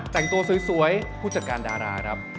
แต่งตัวสวยผู้จัดการดาราครับ